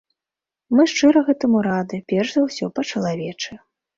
Мы шчыра гэтаму рады, перш за ўсё, па-чалавечы.